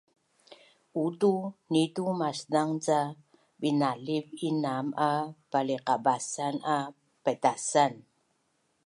Uutu nitu maszang ca binaliv inam a paliqabasan a paitasan